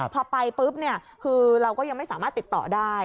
พอไปปุ๊บเนี่ยคือเราก็ยังไม่สามารถติดต่อได้